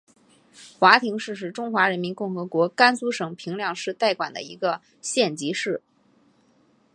华亭市是中华人民共和国甘肃省平凉市代管的一个县级市。